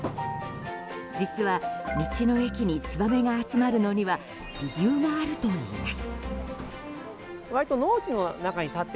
実は、道の駅にツバメが集まるのには理由があるといいます。